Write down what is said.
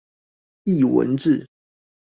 藝文志